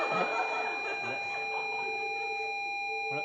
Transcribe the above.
あれ？